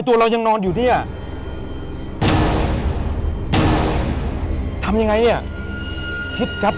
พอลุกหั่นหลังกลับไป